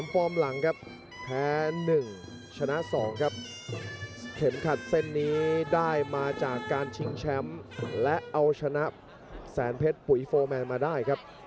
ฟอร์มหลังครับแพ้๑ชนะ๒ครับเข็มขัดเส้นนี้ได้มาจากการชิงแชมป์และเอาชนะแสนเพชรปุ๋ยโฟร์แมนมาได้ครับ